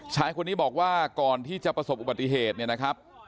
ชายคนนี้บอกว่าก่อนที่จะประสบอุบัติเหตุเนี่ยนะครับ